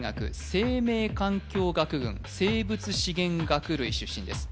生命環境学群生物資源学類出身です